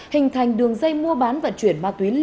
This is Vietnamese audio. hình thành đường dây mua bán vận chuyển ma túy